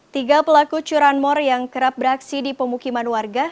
tiga pelaku curanmor yang kerap beraksi di pemukiman warga